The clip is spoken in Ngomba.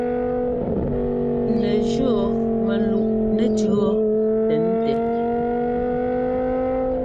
Nɛ jʉɔ́ mɛluꞋ nɛtʉ̈ɔ́ tɛn tɛ.